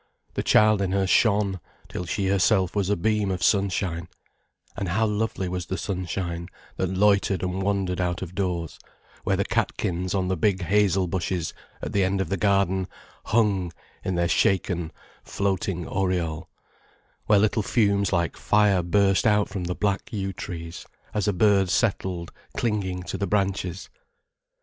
The child in her shone till she herself was a beam of sunshine; and how lovely was the sunshine that loitered and wandered out of doors, where the catkins on the big hazel bushes at the end of the garden hung in their shaken, floating aureole, where little fumes like fire burst out from the black yew trees as a bird settled clinging to the branches.